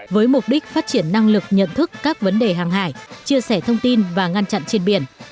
với mục đích phát triển năng lực nhận thức các vấn đề hàng hải chia sẻ thông tin và ngăn chặn trên biển